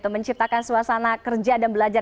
menciptakan suasana kerja dan belajar